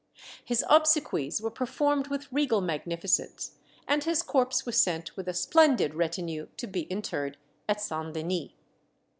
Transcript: His obsequies were performed with regal magnificence, and his corpse was sent with a splendid retinue to be interred at St. Denis.